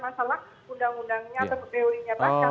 pada waktu undang undang berundangan